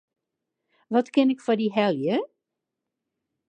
Wat kin ik foar dy helje?